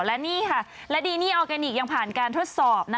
และดีนี่ออร์แกนิคยังผ่านการทดสอบ